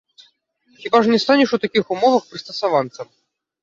Хіба ж не станеш у такіх умовах прыстасаванцам?